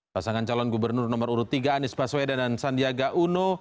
pasangan calon gubernur nomor urut tiga anies baswedan dan sandiaga uno